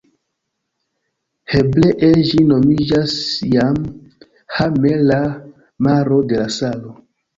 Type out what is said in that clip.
Hebree ĝi nomiĝas Jam Ha-melah, Maro de la Salo.